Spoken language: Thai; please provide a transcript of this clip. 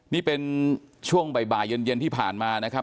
นี่เป็นช่วงบ่ายเย็นที่ผ่านมานะครับ